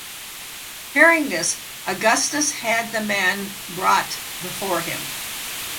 Hearing this, Augustus had the man brought before him.